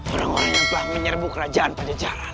orang orang yang telah menyerbu kerajaan pada jalan